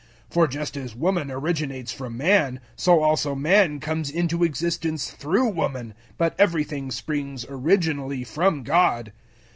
011:012 For just as woman originates from man, so also man comes into existence through woman, but everything springs originally from God.